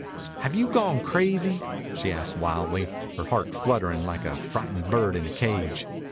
"Have you gone crazy?" she asked wildly, her heart fluttering like a frightened bird in a cage.